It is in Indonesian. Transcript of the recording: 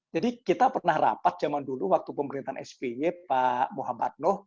jadi kita pernah rapat zaman dulu waktu pemerintahan spy pak muhammad nuh